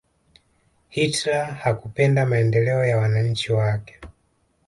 hitler hakupenda maendeleo ya wananchi wake